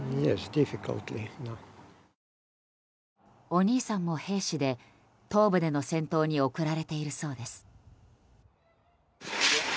お兄さんも兵士で東部での戦闘に送られているそうです。